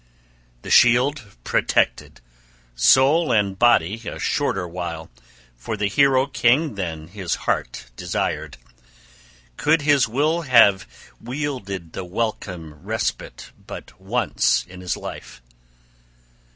The shield protected, soul and body a shorter while for the hero king than his heart desired, could his will have wielded the welcome respite but once in his life!